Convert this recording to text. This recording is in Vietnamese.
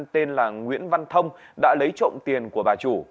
tên là nguyễn văn thông đã lấy trộm tiền của bà chủ